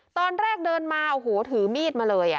ตอนแรกเดินมาโอ้โหถือมีดมาเลย